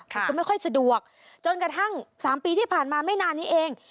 มันก็ไม่ค่อยสะดวกจนกระทั่ง๓ปีที่ผ่านมาไม่นานนี้เอง